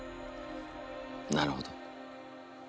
なるほど。